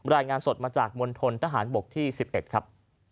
รายงานสดมาจากมณฑนทหารบกที่๑๑ครับ